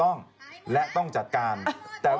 น้องน้องกลัวอย่าไปแจ้งตำรวจดีกว่าเด็ก